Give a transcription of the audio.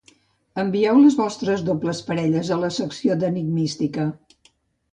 Envieu les vostres dobles parelles a Secció Enigmística.